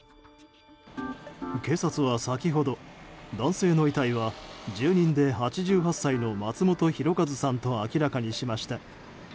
警察は、先ほど男性の遺体は住人で、８８歳の松本博和さんと明らかにしました。